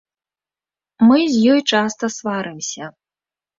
Мы з ёй часта сварымся.